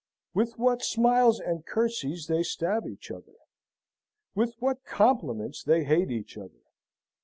With what smiles and curtseys they stab each other! with what compliments they hate each other!